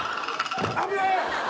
危ねえ！